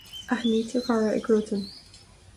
Aithnítear cara i gcruatan.